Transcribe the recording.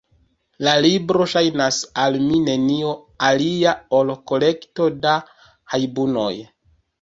La libro ŝajnas al mi nenio alia ol kolekto da hajbunoj.